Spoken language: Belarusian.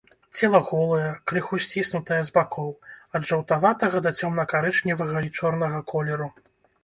Цела голае, крыху сціснутае з бакоў, ад жаўтаватага да цёмна-карычневага і чорнага колеру.